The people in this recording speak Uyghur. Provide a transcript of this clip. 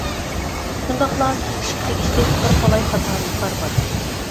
شۇنداقلا تۈزىتىشكە تېگىشلىك بىر تالاي خاتالىقلار بار.